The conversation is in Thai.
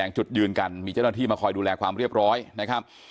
จุดยืนกันมีเจ้าหน้าที่มาคอยดูแลความเรียบร้อยนะครับ